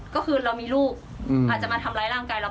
ก็คือเรามีลูกอาจจะมาทำร้ายร่างกายเรา